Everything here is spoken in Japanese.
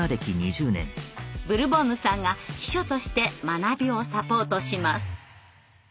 ブルボンヌさんが秘書として学びをサポートします。